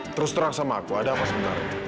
terus terang sama aku ada apa sebentar